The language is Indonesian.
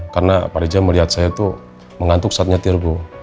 karena pak rija melihat saya mengantuk saat nyetir